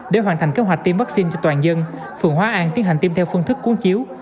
để hoàn thành kế hoạch tiêm vaccine cho toàn dân phường hóa an tiến hành tiêm theo phương thức cuốn chiếu